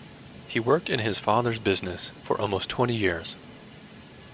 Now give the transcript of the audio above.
He worked in his father's business for almost twenty years.